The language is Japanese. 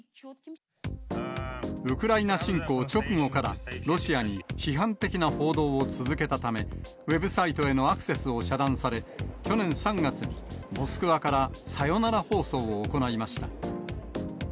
ウクライナ侵攻直後から、ロシアに批判的な報道を続けたため、ウェブサイトへのアクセスを遮断され、去年３月にモスクワからさよなら放送を行いました。